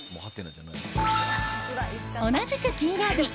同じく金曜日。